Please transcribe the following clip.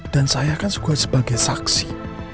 dan saya akan sekuat sebagai saksi